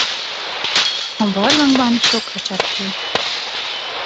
A barlangban sok a cseppkő.